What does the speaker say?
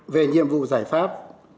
về nhiệm vụ giải pháp